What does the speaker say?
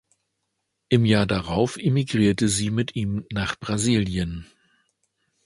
Im Jahr darauf emigrierte sie mit ihm nach Brasilien.